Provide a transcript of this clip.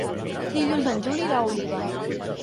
Dilluns en Juli irà a Oliva.